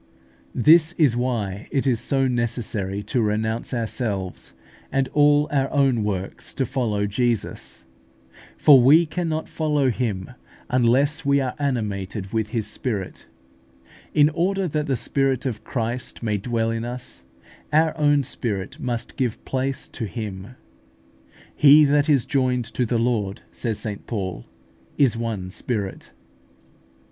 This is why it is so necessary to renounce ourselves and all our own works to follow Jesus; for we cannot follow Him unless we are animated with His Spirit. In order that the Spirit of Christ may dwell in us, our own spirit must give place to Him. "He that is joined to the Lord," says St Paul, "is one spirit" (1 Cor.